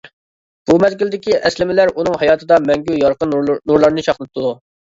بۇ مەزگىلدىكى ئەسلىمىلەر ئۇنىڭ ھاياتىدا مەڭگۈ يارقىن نۇرلارنى چاقنىتىدۇ.